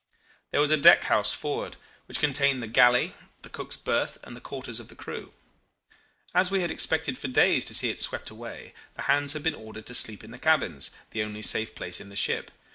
"There was a deck house forward, which contained the galley, the cook's berth, and the quarters of the crew. As we had expected for days to see it swept away, the hands had been ordered to sleep in the cabin the only safe place in the ship.